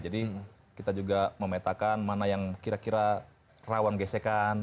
jadi kita juga memetakan mana yang kira kira rawan gesekan